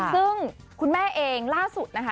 ซึ่งคุณแม่เองล่าสุดนะคะ